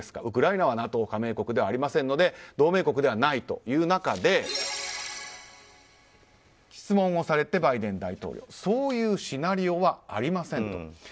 ウクライナはＮＡＴＯ加盟国ではありませんので同盟国ではないという中で質問をされて、バイデン大統領そういうシナリオはありませんと。